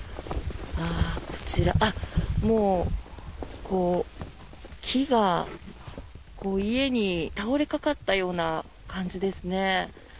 こちら、木が家に倒れかかったような感じですね。